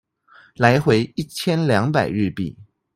來回一千兩百日幣